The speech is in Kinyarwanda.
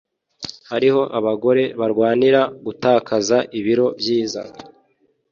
hariho abagore barwanira gutakaza ibiro byiza